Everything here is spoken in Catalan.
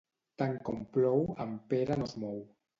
Tant com plou, en Pere no es mou.